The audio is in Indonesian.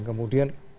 kemudian apakah itu